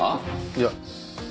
いや。